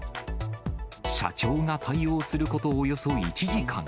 社長が対応することおよそ１時間。